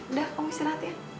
udah kamu istirahat ya